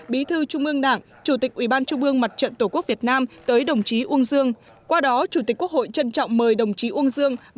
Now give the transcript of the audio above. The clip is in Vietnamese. bí thư trung ương đảng chủ tịch ủy ban trung ương mặt trận tổ quốc việt nam tới đồng chí uông dương